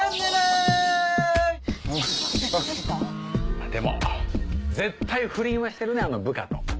まぁでも絶対不倫はしてるねあの部下と。